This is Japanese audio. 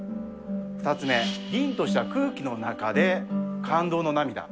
２つ目、りんとした空気の中で感動の涙。